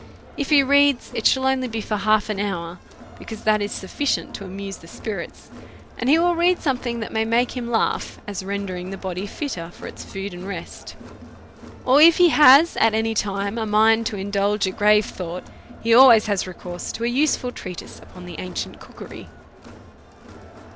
If he reads, it shall only be for half an hour, beciuise that is sufficient to amuse the spirits ; and he will read something that will make him laugh, as rendering the body fitter for its food and rest ; or if he has at any time a mind to indulge a grave thought, he always has recourse to a useful treatise upon the ancient cookery.